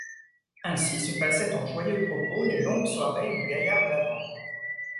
Ainsi se passaient en joyeux propos les longues soirées du gaillard d’avant.